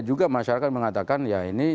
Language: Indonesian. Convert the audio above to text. juga masyarakat mengatakan ya ini